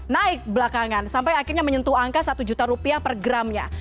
naik belakangan sampai akhirnya menyentuh angka satu juta rupiah per gramnya